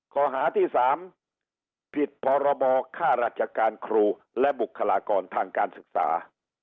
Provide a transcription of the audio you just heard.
ข้อหาที่๓ผิดพรบค่าราชการครูและบุคลากรทางการศึกษา